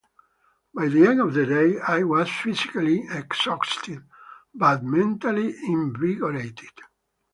By the end of the day, I was physically exhausted but mentally invigorated.